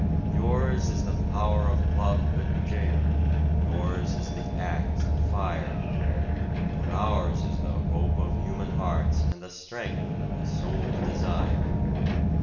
Yours is the power of club and jail, yours is the axe and fire But ours is the hope of human hearts and the strength of the soul's desire!